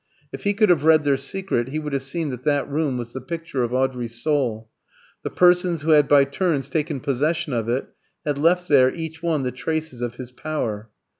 If he could have read their secret he would have seen that that room was the picture of Audrey's soul; the persons who had by turns taken possession of it had left there each one the traces of his power.